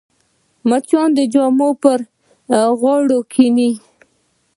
مچان د جامو پر غاړه کښېني